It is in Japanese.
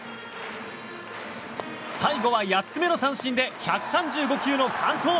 最後は８つ目の三振で１３５球の完投！